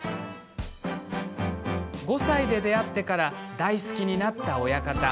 ５歳で出会ってから大好きになった親方。